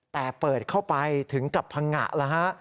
แต่เปิดเข้าไปถึงกับพังงะแล้วฮะ